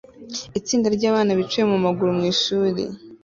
Itsinda ryabana bicaye mumaguru mwishuri